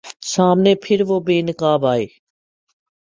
سامنے پھر وہ بے نقاب آئے